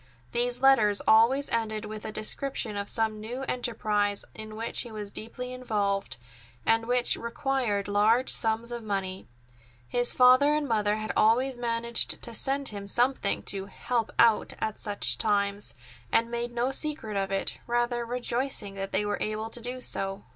These letters always ended with a description of some new enterprise in which he was deeply involved, and which required large sums of money. His father and mother had always managed to send him something to "help out" at such times, and made no secret of it, rather rejoicing that they were able to do so.